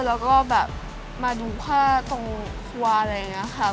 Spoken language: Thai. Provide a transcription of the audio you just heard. แล้วก็แบบมาดูผ้าตรงครัวอะไรอย่างนี้ค่ะ